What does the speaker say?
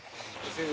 先生